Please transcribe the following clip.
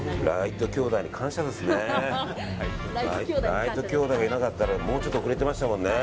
ライト兄弟がいなかったらもうちょっと遅れてましたもんね。